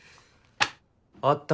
「あった」